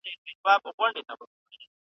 لويي زامې، لویه خېټه پنډ ورنونه .